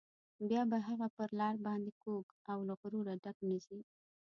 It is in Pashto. بیا به هغه پر لار باندې کوږ او له غروره ډک نه ځي.